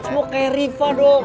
semua kayak riva dong